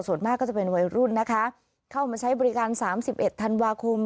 ส่วนมากก็จะเป็นวัยรุ่นนะคะเข้ามาใช้บริการ๓๑ธันวาคม